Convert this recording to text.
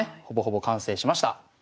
ほぼほぼ完成しました。